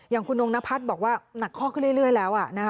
อย่างคุณนงนพัฒน์บอกว่าหนักข้อขึ้นเรื่อยแล้ว